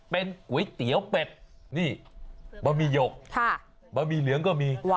เป็นก๋วยเตี๋ยวเป็ดนี่บะหมี่หยกบะหมี่เหลืองก็มี